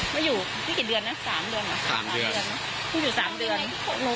ก็ว่าหนูก็เป็นคนภัณฑามิแหละ